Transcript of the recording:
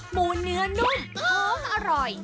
หมูเนื้อนุ่มหอมอร่อย